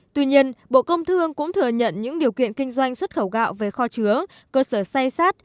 tuy nhiên bộ công thương cũng thừa nhận những điều kiện kinh doanh xuất khẩu gạo về kho chứa cơ sở xay sát